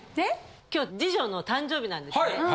・今日次女の誕生日なんですね。